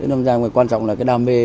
nói quan trọng là cái đam mê